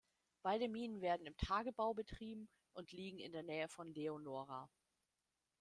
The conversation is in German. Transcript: Beide Minen werden im Tagebau betrieben und liegen in der Nähe von Leonora.